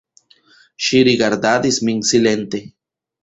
Ŝi rigardadis min silente.